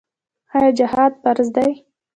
آیا جهاد فرض دی؟